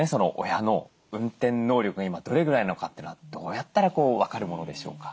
親の運転能力が今どれぐらいなのかっていうのはどうやったら分かるものでしょうか？